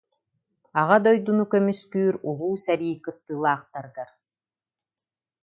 Аҕа дойдуну көмүскүүр Улуу сэрии кыттыылаахтарыгар